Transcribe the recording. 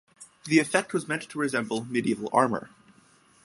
The effect was meant to resemble medieval armor.